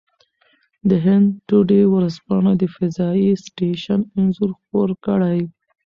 د هند ټوډې ورځپاڼه د فضايي سټېشن انځور خپور کړی.